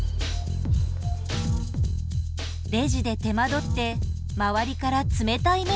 レジで手間取って周りから冷たい目で見られてしまう。